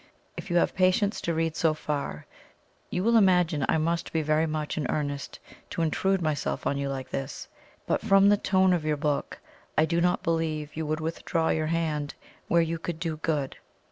If you have patience to read so far, you will imagine I must be very much in earnest to intrude myself on you like this, but from the tone of your book I do not believe you would withdraw your hand where you could do good.